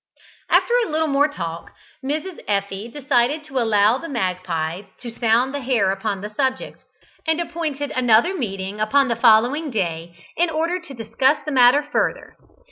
After a little more talk, Mrs. Effie decided to allow the magpie to sound the hare upon the subject, and appointed another meeting upon the following day in order to discuss the matter further.